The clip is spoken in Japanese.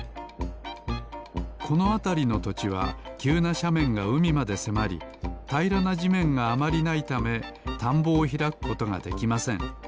このあたりのとちはきゅうなしゃめんがうみまでせまりたいらなじめんがあまりないためたんぼをひらくことができません。